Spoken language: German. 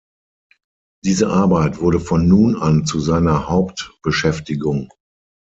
Diese Arbeit wurde von nun an zu seiner Hauptbeschäftigung.